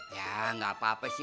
ya nggak apa apa sih